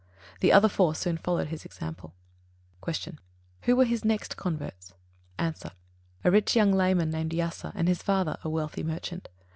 The other four soon followed his example. 73. Q. Who were his next converts? A. A rich young layman, named Yasa, and his father, a wealthy merchant.